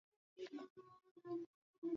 zawadi zimenunuliwa kwa wingi